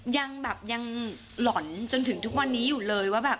ยังหล่อนจนถึงทุกวันนี้อยู่เลย